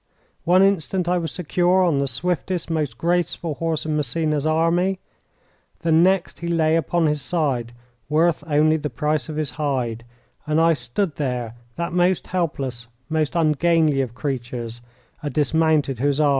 One instant I was secure on the swiftest, most graceful horse in Massena's army. The next he lay upon his side, worth only the price of his hide, and I stood there that most helpless, most ungainly of creatures, a dismounted Hussar.